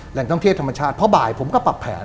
แหล่งท่องเที่ยวธรรมชาติเพราะบ่ายผมก็ปรับแผน